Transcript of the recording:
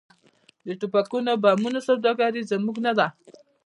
د ټوپکونو او بمونو سوداګري یې زموږ نه ده.